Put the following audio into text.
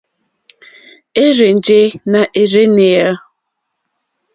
Érzènjé nà ɛ́rzɛ̀nɛ́á.